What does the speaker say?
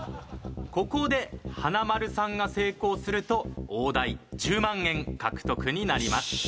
ここで華丸さんが成功すると大台１０万円獲得になります。